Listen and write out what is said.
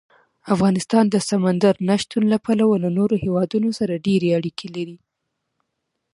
افغانستان د سمندر نه شتون له پلوه له نورو هېوادونو سره ډېرې اړیکې لري.